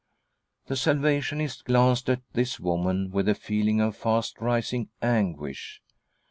The Salvationist glanced at this woman with a feeling of fast rising anguish.